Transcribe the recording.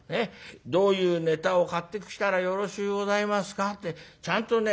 『どういうネタを買ってきたらよろしゅうございますか』ってちゃんとね